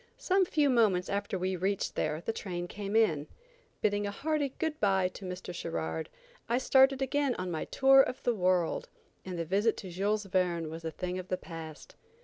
Some few moments after we reached there the train came in. Bidding a hearty good bye to Mr. Sherard, I started again on my tour of the world, and the visit to Jules Verne was a thing of the past.